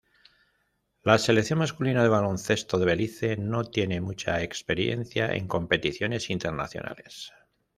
La selección masculina de baloncesto de Belice no tiene mucha experiencia en competiciones internacionales.